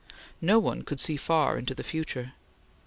No one could see far into the future.